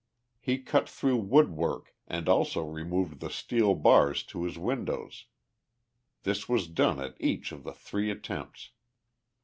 He cut through wood work and also removed the steel bars to his windows. This was done at each of the three attempts.